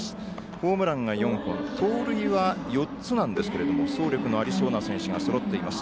ホームランが４本盗塁は４つなんですけども走力のありそうな選手がそろっています。